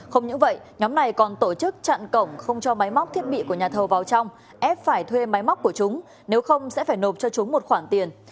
không những vậy nhóm này còn tổ chức chặn cổng không cho máy móc thiết bị của nhà thầu vào trong ép phải thuê máy móc của chúng nếu không sẽ phải nộp cho chúng một khoản tiền